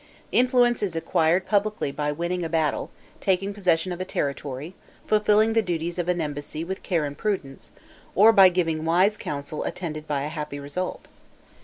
Influence is acquired publicly by winning a battle, taking possession of a territory, fulfilling the duties of an embassy with care and prudence, or by giving wise counsel attended by a happy result.